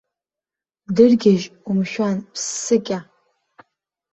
Дыргьежь, умшәан, ԥссыкьа!